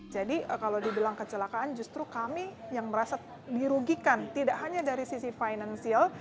jadi kalau dibilang kecelakaan justru kami yang merasa dirugikan tidak hanya dari sisi finansial